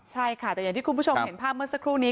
ใช่ค่ะแต่อย่างที่คุณผู้ชมเห็นภาพเมื่อสักครู่นี้